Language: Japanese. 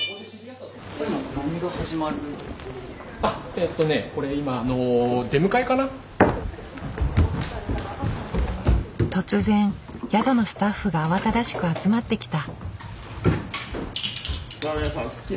えっとねこれ今突然宿のスタッフが慌ただしく集まってきた。